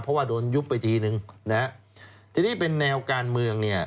เพราะว่าโดนยุบไปทีนึงนะฮะทีนี้เป็นแนวการเมืองเนี่ย